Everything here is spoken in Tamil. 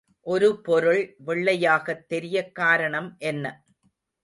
ஒரு பொருள் வெள்ளையாகத் தெரியக் காரணம் என்ன?